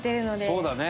そうだね。